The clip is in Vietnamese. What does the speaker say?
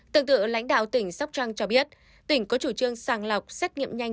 tương tự lãnh đạo tỉnh sóc trăng cho biết tỉnh có chủ trương sàng lọc xét nghiệm nhanh